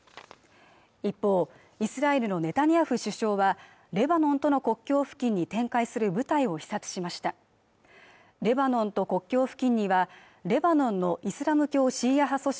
一方イスラエルのネタニヤフ首相はレバノンとの国境付近に展開する部隊を視察しましたレバノンと国境付近にはレバノンのイスラム教シーア派組織